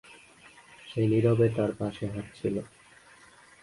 সে নিরবে তার পাশে হাঁটছিল।